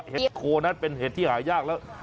เห็ดโคนั้นเป็นเห็ดที่หายากแล้ว